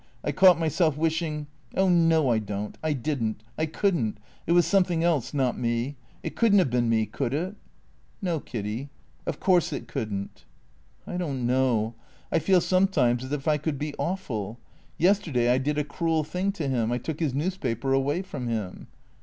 I caught myself wish ing Oh no, I don't; I didn't; I couldn't; it was some thing else, not me. It couldn't have been me, could it?" " No, Kiddy, of course it could n't." " I don't know. I feel sometimes as if I could be awful. Yesterday, I did a cruel thing to him. I took his newspaper away from him."